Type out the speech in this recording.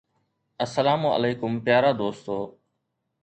السلام عليڪم پيارا دوستو